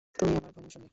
তুমি আমার ভ্রমণসঙ্গী।